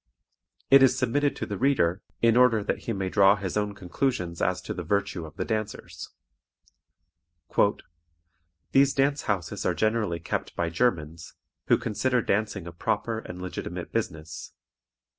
It is submitted to the reader, in order that he may draw his own conclusions as to the virtue of the dancers. "These dance houses are generally kept by Germans, who consider dancing a proper and legitimate business.